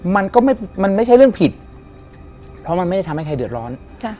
มันก็ไม่มันไม่ใช่เรื่องผิดเพราะมันไม่ได้ทำให้ใครเดือดร้อน